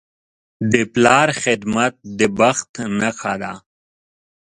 د پلار خدمت د بخت نښه ده.